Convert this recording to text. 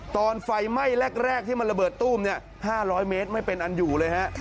ตอนไฟไหม้แรกที่มันระเบิดตู้ม๕๐๐เมตรไม่เป็นอันอยู่เลยฮะ